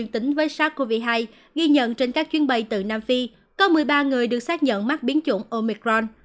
tính với sars cov hai ghi nhận trên các chuyến bay từ nam phi có một mươi ba người được xác nhận mắc biến chủng omicron